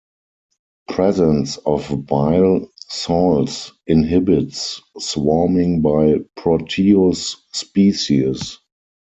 Presence of bile salts inhibits swarming by "Proteus" species.